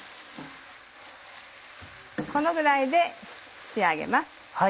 このぐらいで仕上げます。